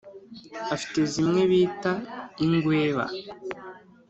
afite zimwe bita ingweba.